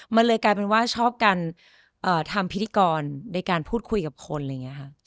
มันเลยกลายเป็นว่าชอบการทำพิธีกรในการพูดคุยกับคนอะไรอย่างนี้ค่ะ